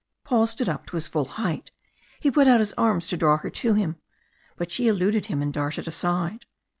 Paul stood up to his full height. He put out his arms to draw her to him, but she eluded him and darted aside.